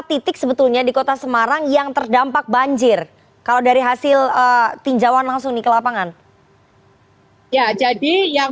titik sebetulnya di kota semarang yang terdampak banjir kalau dari hasil tinjauan langsung dikelepangan